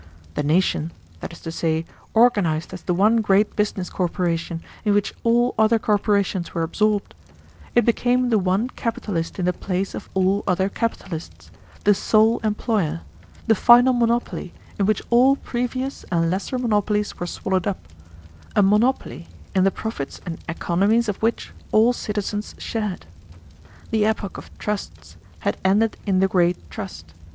The nation, that is to say, organized as the one great business corporation in which all other corporations were absorbed; it became the one capitalist in the place of all other capitalists, the sole employer, the final monopoly in which all previous and lesser monopolies were swallowed up, a monopoly in the profits and economies of which all citizens shared. The epoch of trusts had ended in The Great Trust.